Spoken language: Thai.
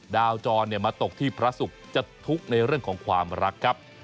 จรมาตกที่พระศุกร์จะทุกข์ในเรื่องของความรักครับ